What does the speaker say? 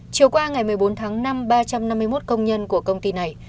chiều qua ngày một mươi bốn tháng năm ba trăm năm mươi một công nhân của công ty này